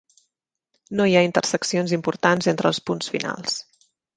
No hi ha interseccions importants entre els punts finals.